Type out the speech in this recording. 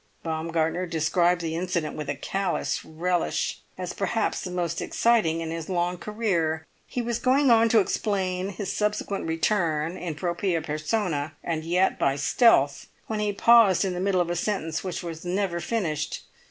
Baumgartner described the incident with a callous relish, as perhaps the most exciting in his long career; he was going on to explain his subsequent return, in propria persona, and yet by stealth, when he paused in the middle of a sentence which was never finished.